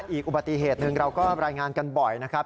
อีกอุบัติเหตุหนึ่งเราก็รายงานกันบ่อยนะครับ